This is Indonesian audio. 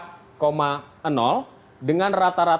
standar kelulusan minimal adalah empat dengan rata rata lima lima